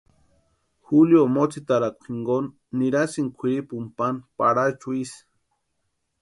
Julio motsitarakwa jinkoni nirasïnti kwʼiripuni pani Parachu isï.